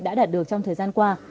đã đạt được trong thời gian qua